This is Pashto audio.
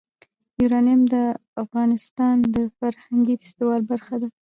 یورانیم د افغانستان د فرهنګي فستیوالونو برخه ده.